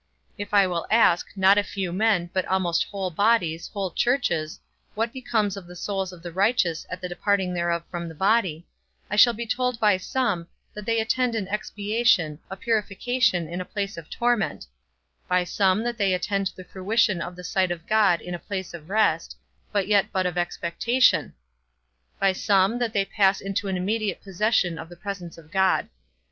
If I will ask, not a few men, but almost whole bodies, whole churches, what becomes of the souls of the righteous at the departing thereof from the body, I shall be told by some, that they attend an expiation, a purification in a place of torment; by some, that they attend the fruition of the sight of God in a place of rest, but yet but of expectation; by some, that they pass to an immediate possession of the presence of God.